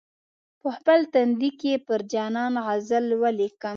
په خپل تندي کې پر جانان غزل ولیکم.